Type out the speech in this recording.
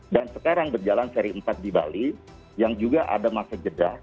dan sekarang berjalan seri empat di bali yang juga ada masa jeda